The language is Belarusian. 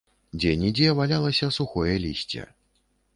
Дзе-нідзе валялася сухое лісце.